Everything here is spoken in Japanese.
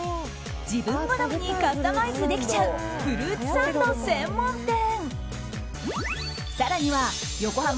自分好みにカスタマイズできちゃうフルーツサンド専門店。